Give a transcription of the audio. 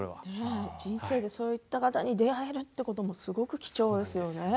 人生でそういった方に出会えるのはすごく大切ですよね。